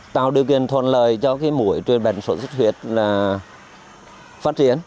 tạo điều kiện thuận lợi cho mũi truyền bệnh sốt xuất huyết phát triển